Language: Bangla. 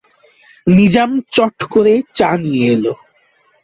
নিজাম চট করে চা নিয়ে এল।